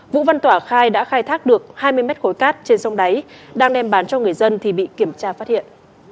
vũ văn tỏa khai đã khai thác được hai mươi mét khối cát trên sông đáy đang đem bán cho người dân thì bị kiểm tra phát hiện